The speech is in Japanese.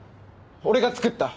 俺が作った。